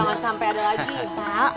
jangan sampai ada lagi